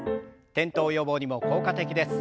転倒予防にも効果的です。